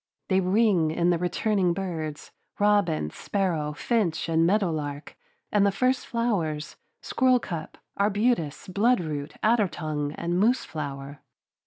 They ring in the returning birds, robin, sparrow, finch and meadow lark, and the first flowers, squirrelcup, arbutus, bloodroot, adder tongue and moose flower.